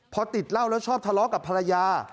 พอติดเหล้าแล้วชอบทะเลาะกับภรรยา